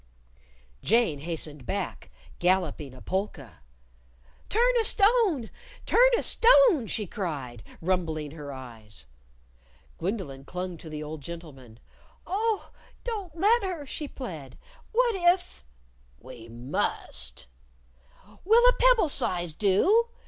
Jane hastened back, galloping a polka. "Turn a stone! Turn a stone!" she cried, rumbling her eyes. Gwendolyn clung to the little old gentleman. "Oh, don't let her!" she plead. "What if " "We must." "Will a pebble size do?"